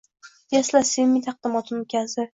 Tesla Semi taqdimotini o‘tkazdi.